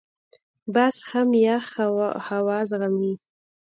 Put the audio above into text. باز هم یخ هوا زغمي